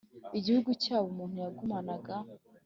igihugu cyabo umuntu yagumanaga